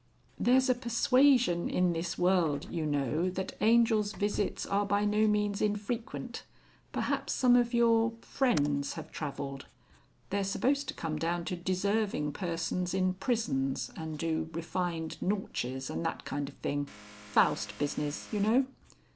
"There's a persuasion in this world, you know, that Angels' Visits are by no means infrequent. Perhaps some of your friends have travelled? They are supposed to come down to deserving persons in prisons, and do refined Nautches and that kind of thing. Faust business, you know."